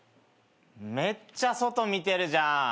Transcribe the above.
めっちゃ外見てるじゃん。